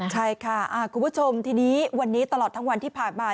ใช่ค่ะคุณผู้ชมทีนี้วันนี้ตลอดทั้งวันที่ผ่านมา